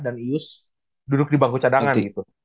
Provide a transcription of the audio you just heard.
dan ius duduk di bangku cadangan gitu